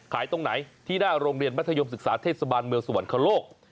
ตรงไหนที่หน้าโรงเรียนมัธยมศึกษาเทศบาลเมืองสวรรคโลก